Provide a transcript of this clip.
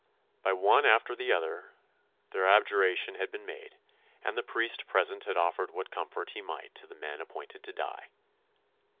By one after the other, their abjuration had been made, and the priest present had offered what comfort he might to the men appointed to die.